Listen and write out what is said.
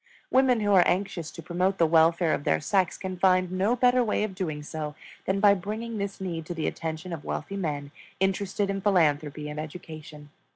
Women who are anxious to promote the welfare of their sex can find no better way of doing so than by bringing this need to the attention of wealthy men interested in philanthropy and education.